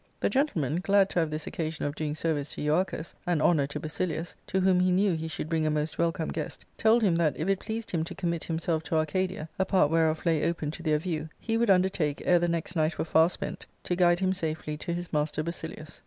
The gentleman, glad to have this occasion of doing service to Euarchus, and honour to Basilius — to whom he knew he should bring a most welcome guest— told him that, if it pleased him to commit himself to Arcadia, a part whereof lay open to their view, he would undertake, ere the next night were fStir spent, to guide him safely to his master Basilius.